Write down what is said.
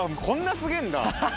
こんなすげぇんだ。